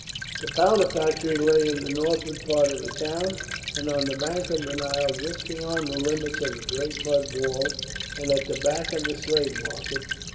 The powder factory lay in the northward part of the town, and on the bank of the Nile just beyond the limits of the great mud wall and at the back of the slave market.